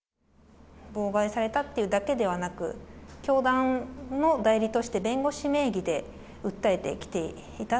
妨害されたというだけではなく、教団の代理として、弁護士名義で訴えてきていた。